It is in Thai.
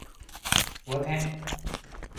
เวิร์กแฮะ